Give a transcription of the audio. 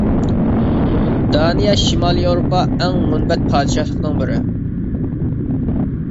دانىيە، شىمالىي ياۋروپا ئەڭ مۇنبەت پادىشاھلىقىنىڭ بىرى.